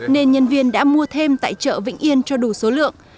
nên nhân viên đã mua thêm tại chợ vĩnh yên cho đủ số lượng